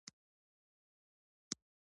لس کم دوه بجې وې چې د سکول کار نه اوزګار شو